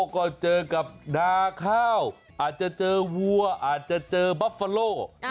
ก็เจอกับนาข้าวอาจจะเจอวัวอาจจะเจอบับฟาโล